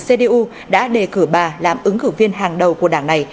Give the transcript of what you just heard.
các quan điều hành liên bang đảng cdu đã đề cử bà làm ứng cử viên hàng đầu của đảng này